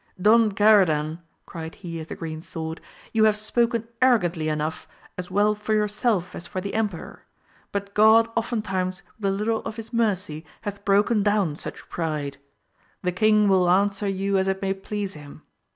Don Garadan, cried he of the green sword, you have spoken arrogantly enough as well for yourself as for the emperor, but God oftentimes with a little of his mercy hath broken down such pride ; the king will answer you as it may please him.